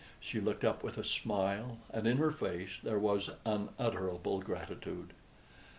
She looked up with a smile, and in her face there was unutterable gratitude.